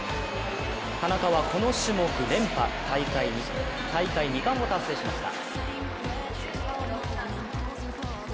田中はこの種目連覇、大会２冠を達成しました。